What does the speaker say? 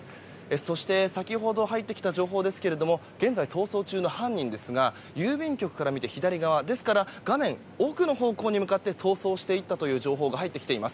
そして先ほど入ってきた情報ですが現在、逃走中の犯人は郵便局から見て左側ですから画面奥の方向に向かって逃走していったという情報が入ってきています。